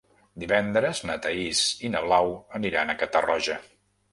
Divendres na Thaís i na Blau aniran a Catarroja.